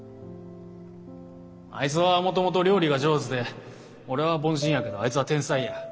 あいつはもともと料理が上手で俺は凡人やけどあいつは天才や。